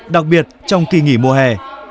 đặc biệt trong kỳ nghỉ mùa hè